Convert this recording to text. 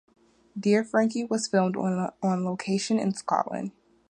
"Dear Frankie" was filmed on location in Scotland.